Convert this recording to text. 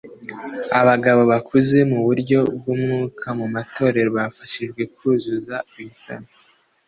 Abagabo bakuze mu buryo bw umwuka mu matorero bafashijwe kuzuza ibisabwa